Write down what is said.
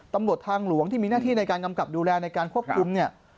ตำรวจทางหลวงที่มีหน้าที่ในการกำกับดูแลในการควบคุมเนี่ย